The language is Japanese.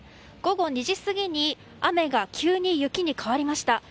午後２時過ぎに雨が急に雪に変わりました。